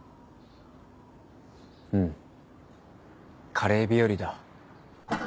うんカレー日和だ。